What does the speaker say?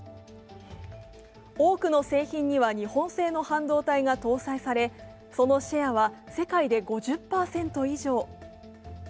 多くの製品には、日本製の半導体が搭載されそのシェアは世界で５０％以上。